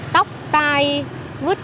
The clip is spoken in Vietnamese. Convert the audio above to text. tóc tai vứt ra